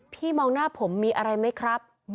พี่มองหน้าผมมีอะไรไหมครับ